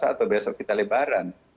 atau besok kita lebaran